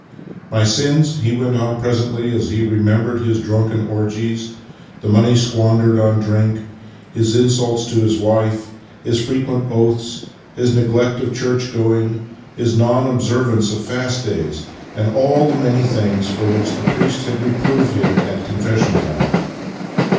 " My sins? " he went on presently as he remem bered his drunken orgies, the money squandered on drink, his insults to his wife, his frequent oaths, his neglect of church going, his non observance of fast days, and all the many things for which the priest had reproved him at confession time.